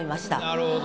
なるほど。